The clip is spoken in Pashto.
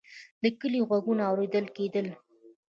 د کلي غږونه اورېدل کېدل.